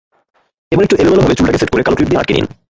এবার একটু এলোমেলোভাবে চুলটাকে সেট করে কালো ক্লিপ দিয়ে আটকে নিন।